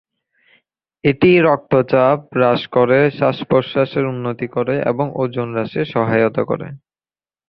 এটি রক্তচাপ হ্রাস করে, শ্বাস প্রশ্বাসের উন্নতি করে এবং ওজন হ্রাসে সহায়তা করে।